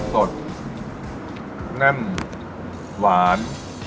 สดแน่นหวาน